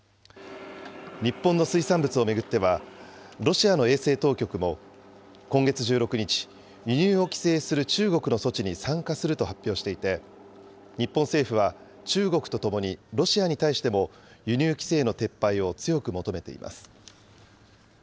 日本の水産物を巡っては、ロシアの衛生当局も今月１６日、輸入を規制する中国の措置に参加すると発表していて、日本政府は中国とともにロシアに対しても、輸入規制の撤廃を強く求めています。